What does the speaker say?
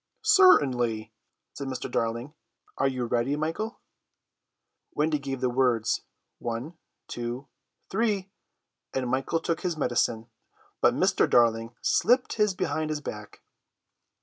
"Certainly," said Mr. Darling. "Are you ready, Michael?" Wendy gave the words, one, two, three, and Michael took his medicine, but Mr. Darling slipped his behind his back.